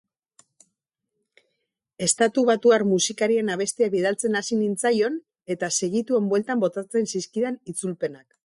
Estatubatuar musikarien abestiak bidaltzen hasi nintzaion eta segituan bueltan botatzen zizkidan itzulpenak.